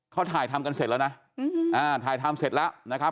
เขาถ่ายทำกันเสร็จแล้วนะถ่ายทำเสร็จแล้วนะครับ